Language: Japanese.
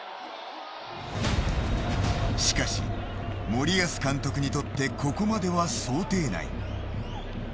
しかし森保監督にとってここまでは想定内。